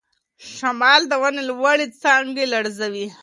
شمال د ونې لوړې څانګې لړزوي.